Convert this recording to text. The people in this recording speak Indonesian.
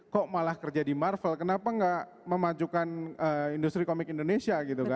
kok malah kerja di marvel kenapa nggak memajukan industri komik indonesia gitu kan